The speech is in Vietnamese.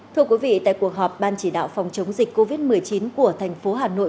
thưa quý vị tại cuộc họp ban chỉ đạo phòng chống dịch covid một mươi chín của thành phố hà nội